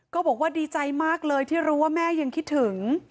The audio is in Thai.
บอกว่าดีใจมากเลยที่รู้ว่าแม่ยังคิดถึง